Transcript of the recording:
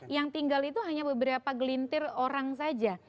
yang tinggal itu hanya beberapa gelintir orang saja